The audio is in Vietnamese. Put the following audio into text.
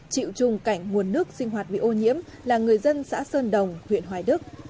chịu chung cảnh nguồn nước sinh hoạt bị ô nhiễm là người dân xã sơn đồng huyện hoài đức